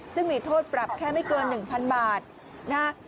ซึ่งมีโทษปรับแค่ไม่เกิน๑๐๐๐บาทนะ